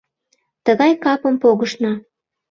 Тыгай капым погышна.